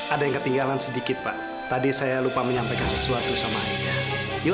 ada yang ketinggalan sedikit pak tadi saya lupa menyampaikan sesuatu sama ayah yuk